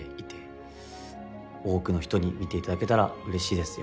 多くの人に見ていただけたらうれしいです。